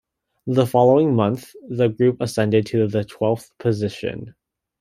The following month, the group ascended to the twelfth position.